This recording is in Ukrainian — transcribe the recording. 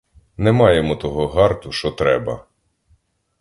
Не маємо того гарту, шо треба.